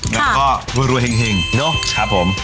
แล้วก็รวยเห็งเนอะครับผม